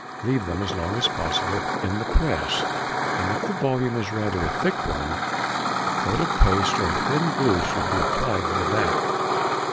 Leave them as long as possible in the press, and if the volume is |59| rather a thick one a coat of paste or thin glue should be applied to the back.